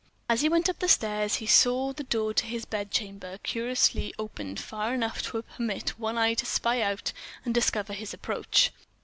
As he went up the stairs, he saw the door to his bedchamber cautiously opened far enough to permit one eye to spy out and discover his approach.